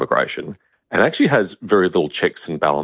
david k kuhar berkata